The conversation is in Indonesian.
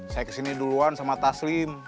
saya kesini duluan sama taslim